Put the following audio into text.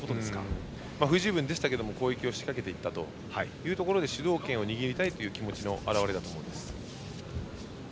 不十分でしたけれども攻撃を仕掛けにいったところで主導権を握りたいという気持ちの表れだと思います。